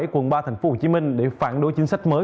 quận ba tp hcm để phản đối chính sách mới